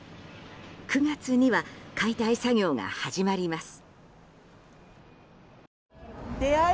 ９月には解体作業が始まります。